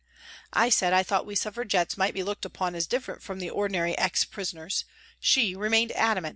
I said I thought we Suffragettes might be looked upon as different from the ordinary ex prisoners. She remained adamant.